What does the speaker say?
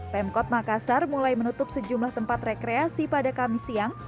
pemkot makassar mulai menutup sejumlah tempat rekreasi pada kamis siang